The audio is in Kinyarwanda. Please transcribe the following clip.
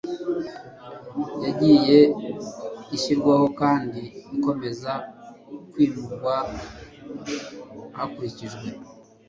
yagiye ishyirwaho kandi ikomeza kwimurwa hakurikijwe